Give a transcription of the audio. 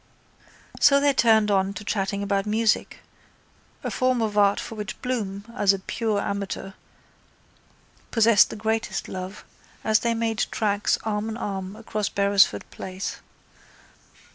So they turned on to chatting about music, a form of art for which Bloom, as a pure amateur, possessed the greatest love, as they made tracks arm in arm across Beresford place.